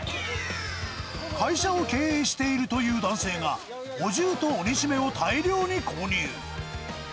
会社を経営しているという男性が、お重とお煮しめを大量に購入。